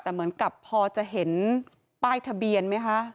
แต่เหมือนกับพอจะเห็นป้ายทะเบียนไหมคะ